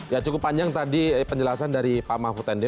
ya cukup panjang tadi penjelasan dari pak mahfud md